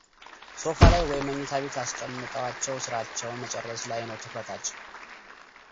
ሶፋ ላይ ወይ መኝታ ቤት አስቀምጠዋቸው ሥራቸውን መጨረስ ላይ ነው ትኩረታቸው።